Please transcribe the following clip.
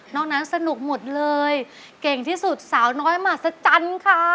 นอกนั้นสนุกหมดเลยเก่งที่สุดสาวน้อยมาสัจจันทร์ค่ะ